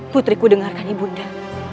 putriku dengarkan bunda